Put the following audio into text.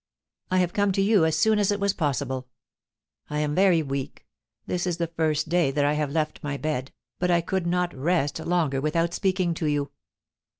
I have come to you as soon as it was possible. I am very weak— this is the first day that I have left my bed, but I could not rest longer without speaking to you.'